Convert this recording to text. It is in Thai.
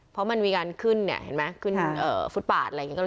เพราะมันมีการขึ้นเนี่ยเห็นไหมขึ้นฟุตปาดอะไรอย่างนี้